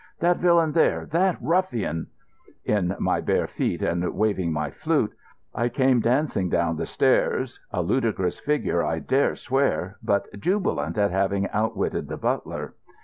That villain there—that ruffian——" In my bare feet, and waving my flute, I came dancing down the stairs—a ludicrous figure, I dare swear, but jubilant at having outwitted the butler.